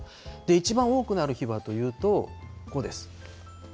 いちばん多くなる日はというと、こうです。